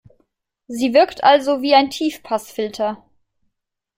Sie wirkt also wie ein Tiefpassfilter.